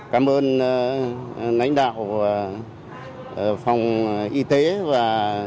cảm ơn lãnh đạo phòng y tế và